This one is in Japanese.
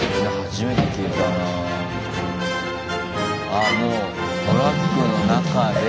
あもうトラックの中で。